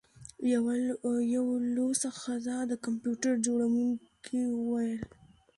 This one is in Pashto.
یوه لوڅه ښځه د کمپیوټر جوړونکي وویل